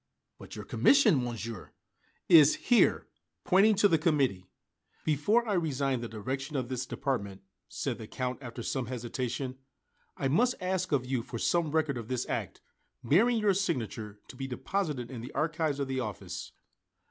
"But your commission, Monsieur?" "Is here," pointing to the committee. "Before I resign the direction of this department," said the Count after some hesitation, "I must ask of you for some record of this act, bearing your signature, to be deposited in the archives of the office."